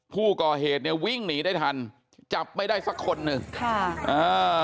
ผู้ก่อเหตุเนี่ยวิ่งหนีได้ทันจับไม่ได้สักคนหนึ่งค่ะอ่า